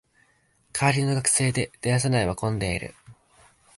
帰りの学生で電車内は混んでいる